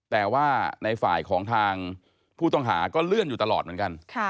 แต่ว่าในฝ่ายของทางผู้ต้องหาก็เลื่อนอยู่ตลอดเหมือนกัน